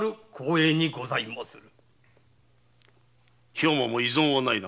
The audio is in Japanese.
兵馬も異存はないな。